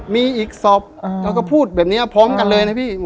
มีอีกศอบอ่าแล้วก็พูดแบบเนี้ยพร้อมกันเลยนะพี่อ๋อ